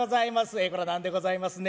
ええ何でございますね。